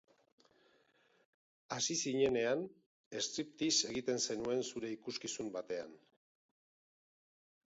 Hasi zinenean, striptease egiten zenuen zure ikuskizun batean.